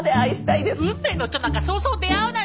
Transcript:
運命の人なんかそうそう出会わないわよ。